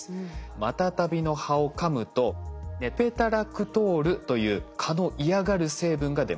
マタタビの葉をかむとネペタラクトールという蚊の嫌がる成分が出ます。